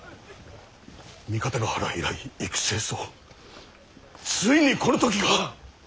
三方ヶ原以来幾星霜ついにこの時が！